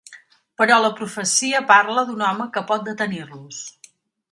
Però la profecia parla d'un home que pot detenir-los.